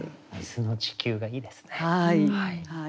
「水の地球」がいいですね。